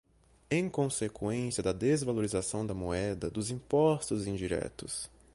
em consequência da desvalorização da moeda, dos impostos indiretos